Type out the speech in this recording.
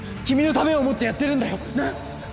君のためを思ってやってるんだよなっ？